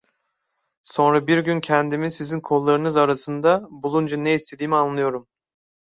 Sonra bir gün kendimi sizin kollarınız arasında bulunca ne istediğimi anlıyorum.